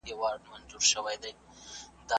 هغه مامور ته دروغ وويل.